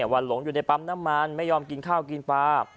วันหลงอยู่ในปั๊มน้ำมันไม่ยอมกินข้าวกินปลา